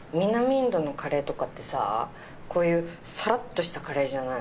インドのカレーとかってさこういうサラッとしたカレーじゃない。